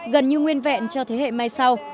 gần như nguyên vẹn cho thế hệ mai sau